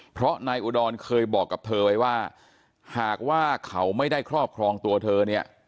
เพราะนายอุดรเคยบอกกับเธอไว้ว่าหากว่าเขาไม่ได้ครอบครองตัวเธอเนี่ย